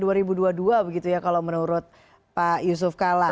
iya sampai dua ribu dua puluh dua begitu ya kalau menurut pak yusuf kalah